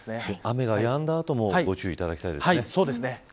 雨がやんだ後もご注意いただきたいですね。